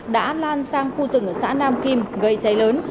đã lan sang khu rừng ở xã nam kim gây cháy lớn